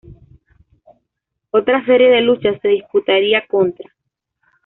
Otra serie de luchas se disputaría contra.